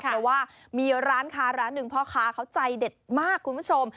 เพราะว่ามีร้านค้าร้านหนึ่งพ่อค้าเขาใจเด็ดมากคุณผู้ชม